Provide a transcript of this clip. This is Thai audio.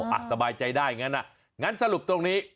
อ๋ออัตบายใจได้งั้นสรุปตรงนี้